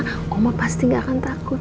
mama pasti gak akan takut